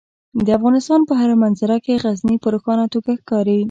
د افغانستان په هره منظره کې غزني په روښانه توګه ښکاري.